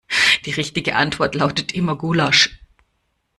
Die richtige Antwort lautet immer Gulasch.